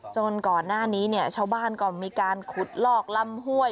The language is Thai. ก่อนหน้านี้เนี่ยชาวบ้านก็มีการขุดลอกลำห้วย